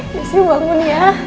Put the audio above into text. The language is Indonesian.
jessy bangun ya